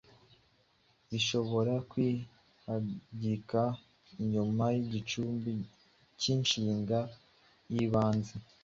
zishobora kwihagika inyuma y’igicumbi k’inshinga y’ibanze